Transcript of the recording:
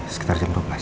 sekitar jam dua belas